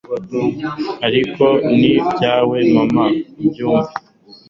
ariko ni ibyawe, mama ubyumve